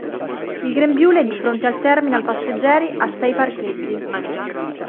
Il grembiule di fronte al terminal passeggeri ha sei parcheggi.